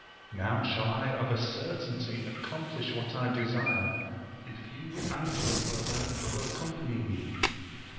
now shall I of a certainty accomplish what I desire, if you and your brother will accompany me.